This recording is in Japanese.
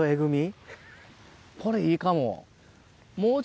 これいいかも。